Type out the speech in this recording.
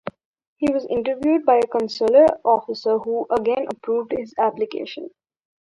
He was interviewed by a consular officer, who again approved his application.